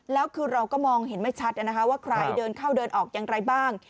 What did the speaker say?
แล้วคือเราก็มองเห็นไม่ชัดว่าใครเดินเข้าเดินออกอย่างไรบ้าง